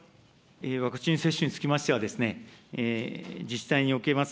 ワクチン接種につきましては、自治体におきます